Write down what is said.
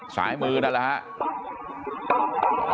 สายมือนั่นแหละครับ